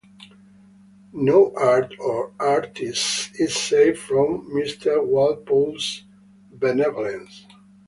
No art or artist is safe from Mr Walpole's benevolence.